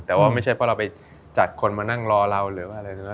แต่ว่าไม่ใช่เพราะเราไปจัดคนมานั่งรอเราหรือว่าอะไรใช่ไหม